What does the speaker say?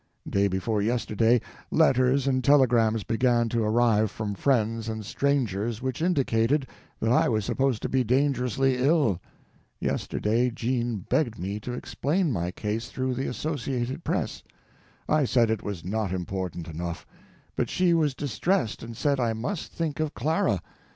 Day before yesterday, letters and telegrams began to arrive from friends and strangers which indicated that I was supposed to be dangerously ill. Yesterday Jean begged me to explain my case through the Associated Press. I said it was not important enough; but she was distressed and said I must think of Clara.